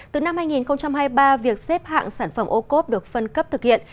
từ năm hai nghìn hai mươi ba việc xếp hạng sản phẩm ô cốp được phân cấp thực hiện